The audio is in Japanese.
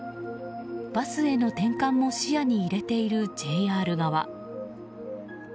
バスへの転換も視野に入れているＪＲ側。